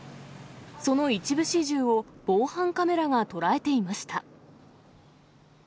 その一部始終を防犯カメラが捉えていました。